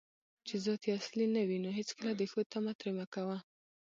چې ذات یې اصلي نه وي، نو هیڅکله د ښو طمعه ترې مه کوه